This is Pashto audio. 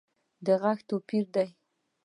د غږ توپیر دی